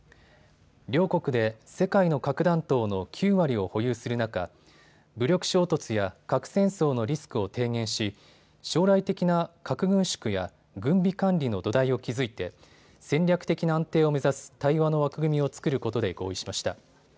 両国で世界の核弾頭の９割を保有する中、武力衝突や核戦争のリスクを低減し、将来的な核軍縮や軍備管理の土台を築いて戦略的な安定を目指す対話の枠組みを作ることで合意しました。